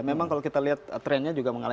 memang kalau kita lihat trennya juga mengalami